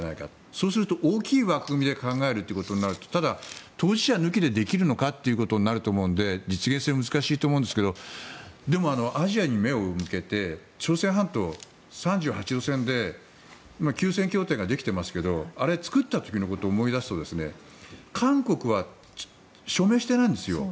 そうすると大きい枠組みで考えるということになるとただ、当事者抜きでできるのかということになると思うので実現性は難しいと思うんですがでも、アジアに目を向けて朝鮮半島は３８度線で休戦協定ができてますけどあれ、作った時のことを思い出すと韓国は署名していないんですよ。